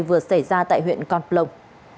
vừa xảy ra tại huyện con plông